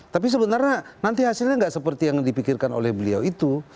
tapi sebenarnya nanti hasilnya nggak seperti yang dipikirkan oleh beliau itu